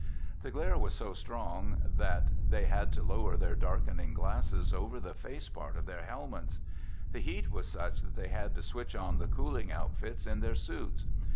The glare was so strong that they had to lower their darkening glasses over the face part of their helmets. The heat was such that they had to switch on the cooling outfits in their suits.